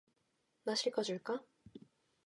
마실 거 줄까?